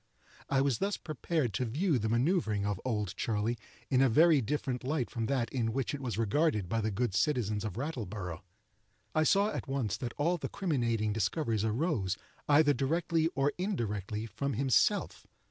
I was thus prepared to view the manoeuvering of "Old Charley" in a very different light from that in which it was regarded by the good citizens of Rattleborough. I saw at once that all the criminating discoveries arose, either directly or indirectly, from himself.